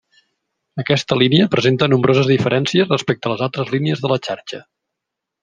Aquesta línia presenta nombroses diferències respecte a les altres línies de la xarxa.